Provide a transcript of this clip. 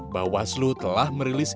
bahwa aslu telah merilis